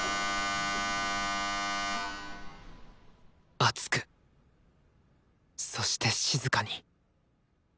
熱くそして静かに。